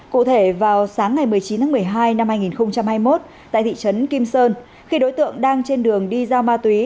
cụ thể vào sáng ngày một mươi chín tháng một mươi hai năm hai nghìn hai mươi một tại thị trấn kim sơn khi đối tượng đang trên đường đi giao ma túy